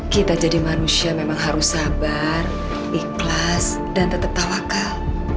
kita jadi manusia memang harus sabar ikhlas dan tetap tawakal